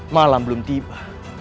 malam belum tiba